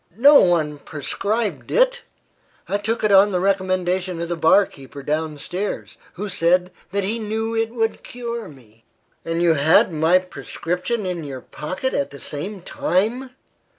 "No one prescribed it. I took it on the recommendation of the bar keeper down stairs, who said that he knew it would cure me." "And you had my prescription in your pocket at the same time!